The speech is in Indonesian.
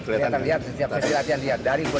kelihatan lihat setiap sesi latihan lihat